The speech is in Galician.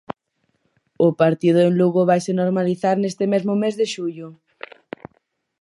O partido en Lugo vaise normalizar neste mesmo mes de xullo.